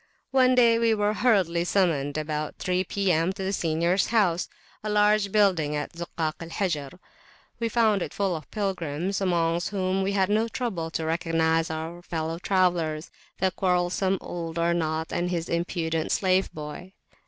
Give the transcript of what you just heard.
One day we were hurriedly summoned about three P.M. to the seniors house, a large building in the Zukak al Hajar. We found it full of pilgrims, amongst whom we had no trouble to recognise our fellow travellers, the quarrelsome old Arnaut and his impudent slave boy.